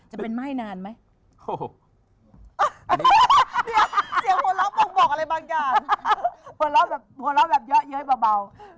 โหล่ะแบบเยอะเบา